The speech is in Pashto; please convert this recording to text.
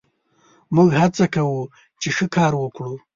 موږ هڅه کوو، چې ښه کار وکړو.